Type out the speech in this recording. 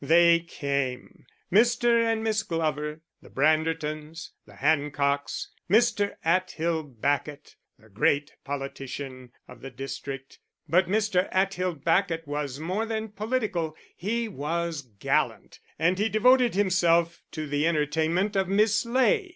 They came, Mr. and Miss Glover, the Brandertons, the Hancocks, Mr. Atthill Bacot, the great politician (of the district). But Mr. Atthill Bacot was more than political, he was gallant, and he devoted himself to the entertainment of Miss Ley.